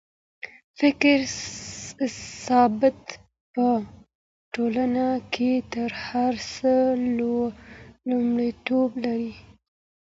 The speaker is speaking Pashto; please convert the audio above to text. فکري ثبات په ټولنه کي تر هر څه لومړيتوب لري.